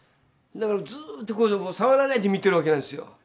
だからずっと触らないで見てるわけなんですよ。